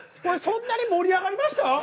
これそんなに盛り上がりました？